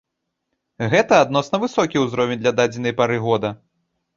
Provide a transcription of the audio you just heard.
Гэта адносна высокі ўзровень для дадзенай пары года.